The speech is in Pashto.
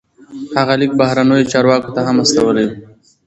هغه لیک بهرنیو چارواکو ته هم استولی و.